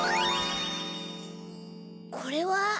これは？